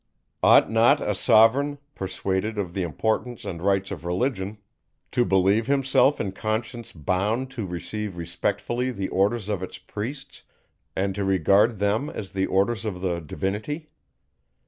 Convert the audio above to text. Ought not a sovereign, persuaded of the importance and rights of Religion, to believe himself in conscience bound to receive respectfully the orders of its priests, and to regard them as the orders of the Divinity?